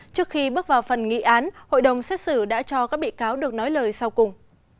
trước khi bước vào phần nghị án hội đồng xét xử đã cho các bị cáo được nói lời sau cùng